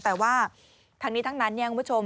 แต่ว่าทั้งนี้ทั้งนั้นคุณผู้ชม